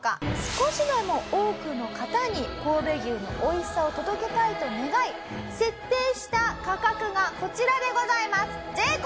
少しでも多くの方に神戸牛の美味しさを届けたいと願い設定した価格がこちらでございます。